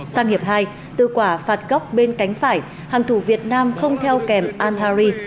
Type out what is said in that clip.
sang hiệp hai từ quả phạt góc bên cánh phải hàng thủ việt nam không theo kèm al hari